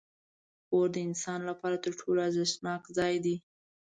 کور د انسان لپاره تر ټولو ارزښتناک ځای دی.